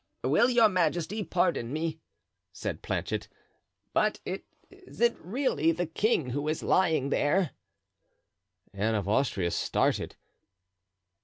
"Will your majesty pardon me," said Planchet, "but is it really the king who is lying there?" Anne of Austria started.